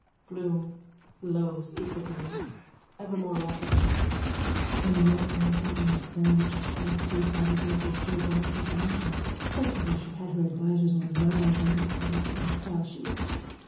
BLOOM: (Low, secretly, ever more rapidly.) And Molly was eating a sandwich of spiced beef out of Mrs Joe Gallaher's lunch basket. Frankly, though she had her advisers or admirers, I never cared much for her style. She was...